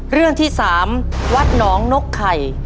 เรื่องที่๓วัดหนองนกไข่